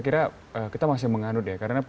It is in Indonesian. kira kita masih menganut ya karena